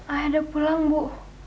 ayah udah pulang bu